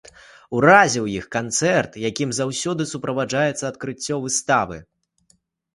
Уразіў іх і канцэрт, якім заўсёды суправаджаецца адкрыццё выставы.